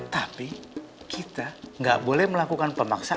tapi kita nggak boleh melakukan pemaksaan